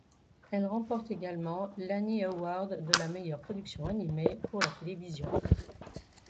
Elle remporte également l'Annie Award de la meilleure production animée pour la télévision.